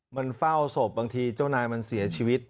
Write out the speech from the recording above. มันเฝ้าศพบางทีเจ้านายมันเสียชีวิต